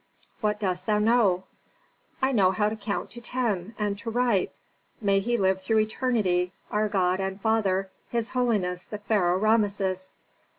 "What dost thou know?" "I know how to count to ten and to write: 'May he live through eternity our god and father, his holiness the pharaoh Rameses!'"